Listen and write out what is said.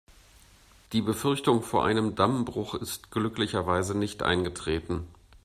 Die Befürchtung vor einem Dammbruch ist glücklicherweise nicht eingetreten.